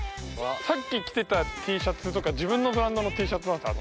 さっき着てたＴシャツとか自分のブランドのＴシャツなんですよ